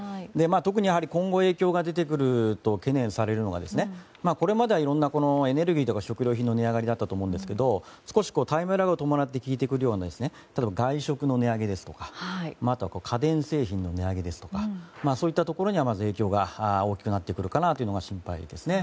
特に、今後影響が出てくると懸念されるのはこれまではいろんなエネルギーや食料品の値上がりでしたが少しタイムラグを伴って効いてくるような例えば外食の値上げですとかあとは家電製品の値上げですとかそういったところの影響が大きくなるのが心配ですね。